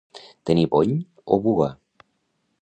Tenir bony o bua.